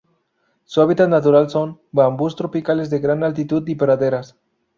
Su hábitat natural son: bambús tropicales de gran altitud y praderas.